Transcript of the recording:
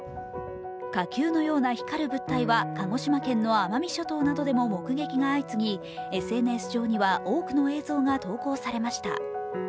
火球のような光る物体は鹿児島県の奄美諸島でも目撃が相次ぎＳＮＳ上には多くの映像が投稿されました。